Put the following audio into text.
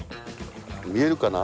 ほら見えるかな？